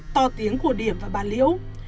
to tiếng của điểm và bà liễu